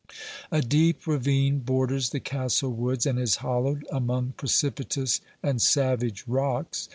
A deep ravine borders the castle woods and is hollowed among precipitous and savage rocks.